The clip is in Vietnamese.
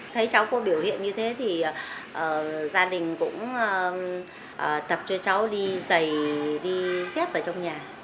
thấy cháu có biểu hiện như thế thì gia đình cũng tập cho cháu đi dày đi dép ở trong nhà